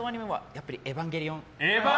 やっぱり「エヴァンゲリオン」。